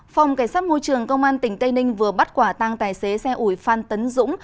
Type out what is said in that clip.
phòng cảnh sát môi trường công an tỉnh tây ninh vừa bắt quả tăng tài xế xe ủi phan tấn dũng